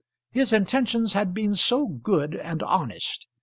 His intentions had been so good and honest!